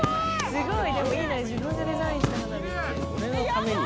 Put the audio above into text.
すごい！